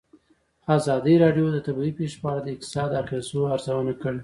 ازادي راډیو د طبیعي پېښې په اړه د اقتصادي اغېزو ارزونه کړې.